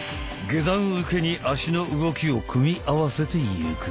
下段受けに足の動きを組み合わせていく。